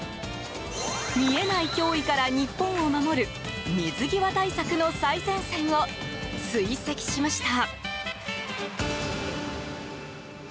見えない脅威から日本を守る水際対策の最前線を追跡しました。